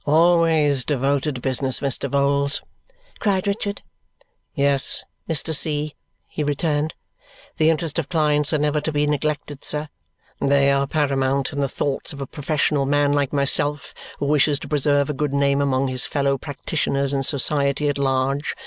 "Always devoted to business, Vholes!" cried Richard. "Yes, Mr. C.," he returned, "the interests of clients are never to be neglected, sir. They are paramount in the thoughts of a professional man like myself, who wishes to preserve a good name among his fellow practitioners and society at large.